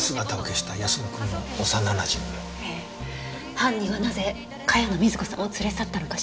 犯人はなぜ茅野瑞子さんを連れ去ったのかしら。